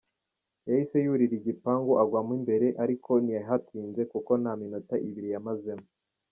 Yahise yurira igipangu agwamo imbere, ariko ntiyahatinze, kuko nta n’iminota ibiri yamazemo.